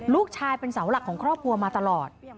ลูกชายเป็นเสาหลักของครอบครัวมาตลอด